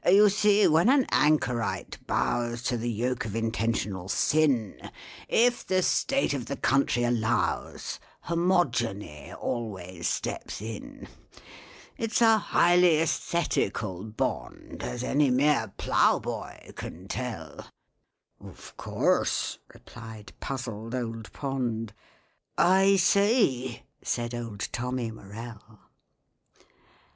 'You see, when an anchorite bows To the yoke of intentional sin, If the state of the country allows, Homogeny always steps in— "It's a highly æsthetical bond, As any mere ploughboy can tell—" "Of course," replied puzzled old POND. "I see," said old TOMMY MORELL.